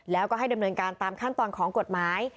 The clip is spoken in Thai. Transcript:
แล้วก็ให้ดำเนินการตามขั้นตอนของกฎหมาย